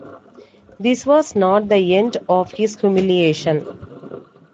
This was not the end of his humiliation.